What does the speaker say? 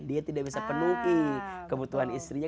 dia tidak bisa penuhi kebutuhan istrinya